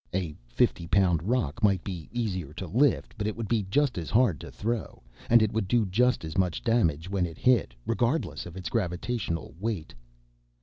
A fifty pound rock might be easier to lift, but it would be just as hard to throw—and it would do just as much damage when it hit, regardless of its gravitational "weight."